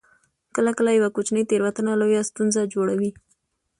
کله کله یوه کوچنۍ تیروتنه لویه ستونزه جوړوي